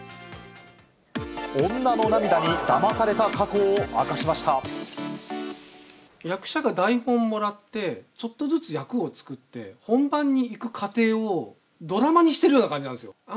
女の涙にだまされた過去を明役者が台本もらって、ちょっとずつ役を作って、本番に行く過程をドラマにしているような感じなんですよ。